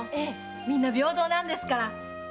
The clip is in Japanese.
みんな平等なんですから。